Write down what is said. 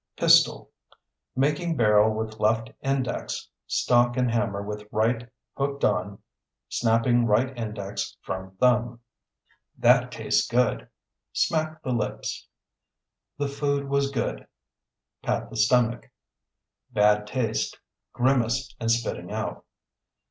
Pistol (Making barrel with left index, stock and hammer with right hooked on; snapping right index from thumb). That tastes good (Smack the lips). The food was good (Pat the stomach). Bad taste (Grimace and spitting out).